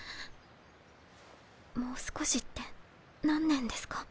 もう少しって何年ですか？